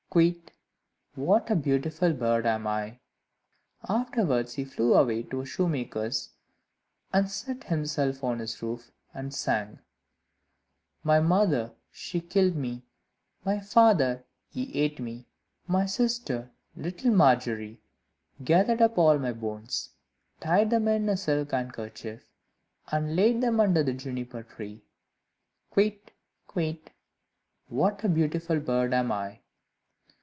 Kywitt! what a beautiful bird am I!" Afterwards he flew away to a shoemaker's, and set himself on his roof, and sang "My mother, she killed me; My father, he ate me; My sister, little Margery, Gathered up all my bones, Tied them in a silk handkerchief, And laid them under the Juniper tree: Kywitt! Kywitt! what a beautiful bird am I!"